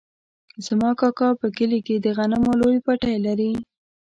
زما کاکا په کلي کې د غنمو لوی پټی لري.